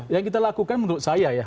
yang kita lakukan menurut saya ya